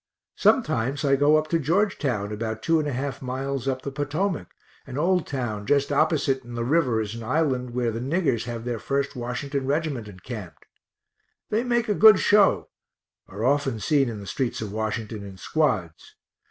Sometimes I go up to Georgetown, about two and a half miles up the Potomac, an old town just opposite it in the river is an island, where the niggers have their first Washington reg't encamped. They make a good show, are often seen in the streets of Washington in squads.